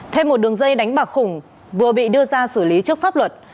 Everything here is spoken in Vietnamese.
thêm một đường dây đánh bạc khủng vừa bị đưa ra xử lý trước pháp luật